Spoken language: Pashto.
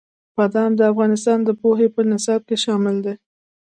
بادام د افغانستان د پوهنې په نصاب کې شامل دي.